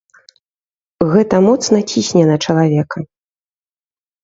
Гэта моцна цісне на чалавека.